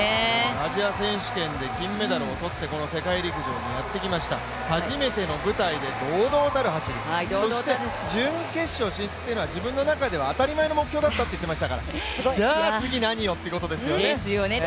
アジア選手権で金メダルをとってやって来ました、初めての舞台で堂々たる走り、そして準決勝進出というのは自分の中では当たり前の目標だったというわけですからじゃあ次何よってことですよね。